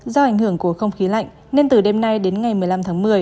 do ảnh hưởng của không khí lạnh nên từ đêm nay đến ngày một mươi năm tháng một mươi